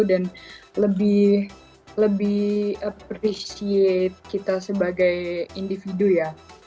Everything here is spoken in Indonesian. dan lebih lebih appreciate kita sebagai individu ya